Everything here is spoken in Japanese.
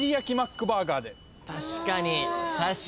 確かに。